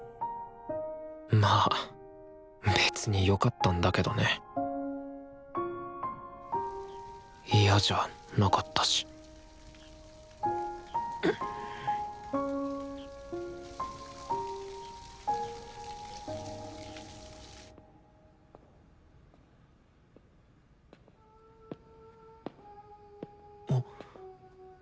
まあ別によかったんだけどね嫌じゃなかったし・あっ。